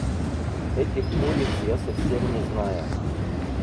Этих улиц я совсем не знаю.